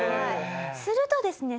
するとですね